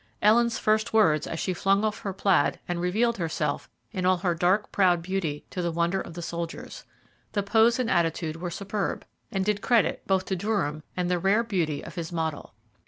Ellen's first words as she flung off her plaid and revealed herself in all her dark proud beauty to the wonder of the soldiers. The pose and attitude were superb, and did credit both to Durham and the rare beauty of his model.